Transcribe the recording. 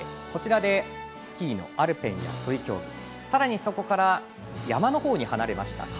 こちらでスキーのアルペンやそり競技さらに、そこから山のほうに離れました